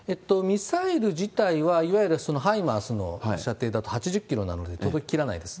ミサイル自体は、いわゆるハイマースの射程だと８０キロなので届ききらないです。